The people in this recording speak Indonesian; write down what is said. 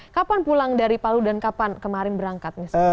kapan pulang dari palu dan kapan kemarin berangkat